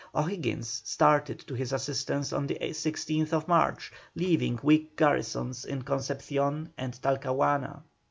O'Higgins started to his assistance on the 16th March, leaving weak garrisons in Concepcion and Talcahuana.